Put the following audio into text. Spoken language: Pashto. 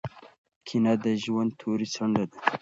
کینه د ژوند توري څنډه ده.